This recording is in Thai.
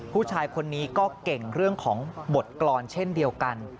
ผู้ชายคนนี้ก็เก่งเรื่องของบทกรรมเช่นเดียวกัน